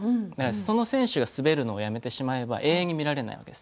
その選手が滑るのをやめてしまえば永遠に見られないわけです。